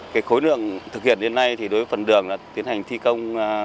cái khối lượng thực hiện đến nay thì đối với phần đường là tiến hành thi công